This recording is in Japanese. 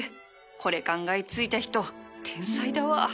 これ考え付いた人天才だわ